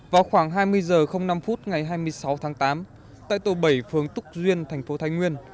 vào khoảng hai mươi h năm ngày hai mươi sáu tháng tám tại tổ bảy phường túc duyên thành phố thái nguyên